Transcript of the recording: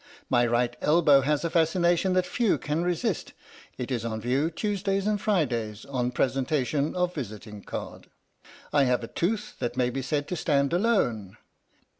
My right elbow has a fascination that few can resist. It is on view Tuesdays and Fridays on presentation of visiting card. I have a tooth that may be said to stand alone.